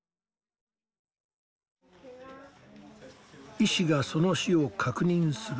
医師がその死を確認する。